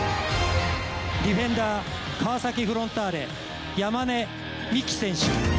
ディフェンダー川崎フロンターレ山根視来選手。